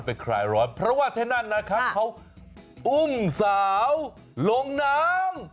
เพราะว่าเท่านั้นนะครับเขาอุ้มสาวลงน้ำ